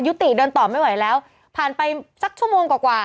ติเดินต่อไม่ไหวแล้วผ่านไปสักชั่วโมงกว่า